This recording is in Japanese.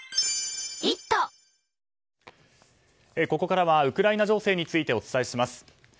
ここからはウクライナ情勢についてお伝えします。